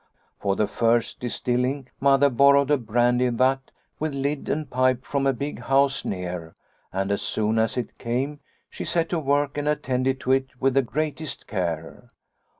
" For the first distilling Mother borrowed a brandy vat with lid and pipe from a big house near, and as soon as it came she set to work and attended to it with the greatest care.